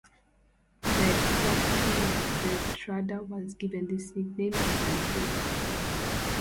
The exact reason that Bertrada was given this nickname is unclear.